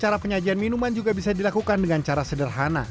cara penyajian minuman juga bisa dilakukan dengan cara sederhana